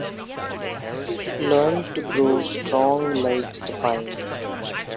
Learn to grow strong like the pine.